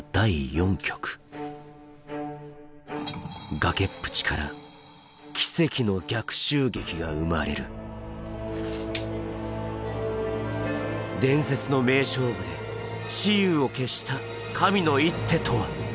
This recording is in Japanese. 崖っぷちから奇跡の逆襲劇が生まれる伝説の名勝負で雌雄を決した神の一手とは？